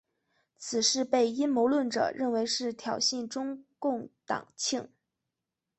此事被阴谋论者认为是挑衅中共党庆。